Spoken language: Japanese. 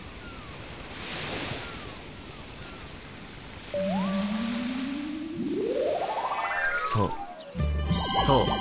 そうそう。